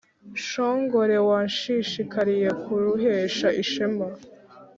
nshongore washishikariye kuruhesha ishema